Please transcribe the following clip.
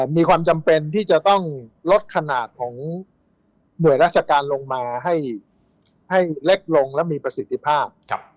มีความจำเป็นที่จะต้องลดขนาดของหน่วยราชการลงมาให้เล็กลงและมีประสิทธิภาพ